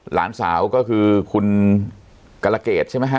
หลานสาวก็คือคุณกรเกษใช่ไหมฮะ